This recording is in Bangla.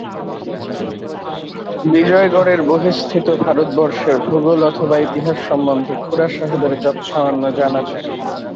বিজয়গড়ের বহিঃস্থিত ভারতবর্ষের ভূগোল অথবা ইতিহাস সম্বন্ধে খুড়াসাহেবের যৎসামান্য জানা ছিল।